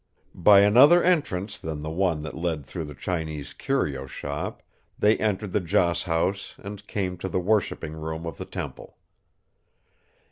By another entrance than the one that led through the Chinese curio shop they entered the Joss house and came to the worshiping room of the temple.